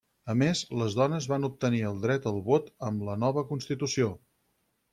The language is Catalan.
A més, les dones van obtenir el dret al vot amb la nova constitució.